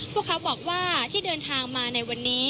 พวกเขาบอกว่าที่เดินทางมาในวันนี้